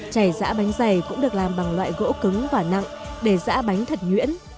chảy giã bánh dày cũng được làm bằng loại gỗ cứng và nặng để giã bánh thật nhuyễn